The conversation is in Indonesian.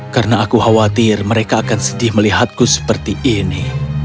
karena aku khawatir mereka akan sedih melihatku seperti ini